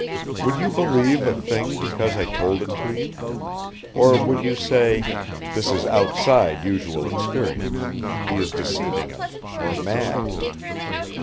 Would you believe a thing because I told it to you? Or would you say: 'This is outside usual experience. He is deceiving us, or mad'?"